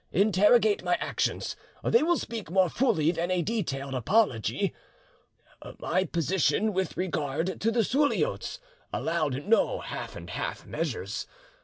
Interrogate my actions, they will speak more fully than a detailed apology. "My position with regard to the Suliotes allowed no half and half measures.